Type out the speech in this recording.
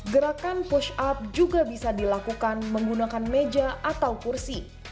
gerakan push up juga bisa dilakukan menggunakan meja atau kursi